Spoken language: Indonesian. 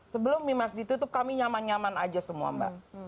sebelum memiles ditutup kami nyaman nyaman aja semua mbak